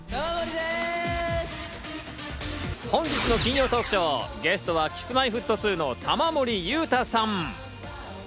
本日の金曜トークショー、ゲストはＫｉｓ−Ｍｙ−Ｆｔ２の玉森裕太さん。